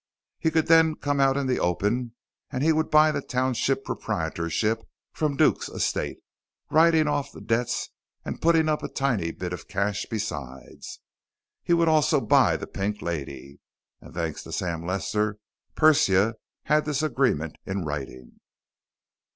He could then come out in the open and he would buy the township proprietorship from Duke's estate, writing off the debts and putting up a tidy bit of cash besides. He would also buy the Pink Lady. And thanks to Sam Lester, Persia had this agreement in writing.